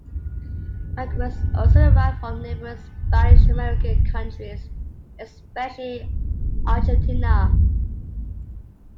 Migrants also arrived from neighboring Spanish American countries, especially Argentina.